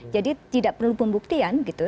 jadi tidak perlu pembuktian gitu